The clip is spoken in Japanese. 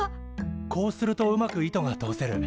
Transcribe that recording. こうするとうまく糸が通せる。